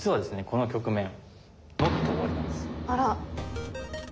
この局面あら。